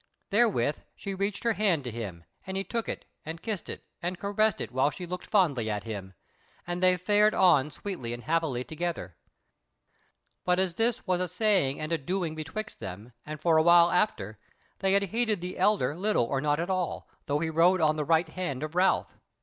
Therewith she reached her hand to him, and he took it and kissed it and caressed it while she looked fondly at him, and they fared on sweetly and happily together. But as this was a saying and a doing betwixt them, and a while after, they had heeded the Elder little or not at all, though he rode on the right hand of Ralph.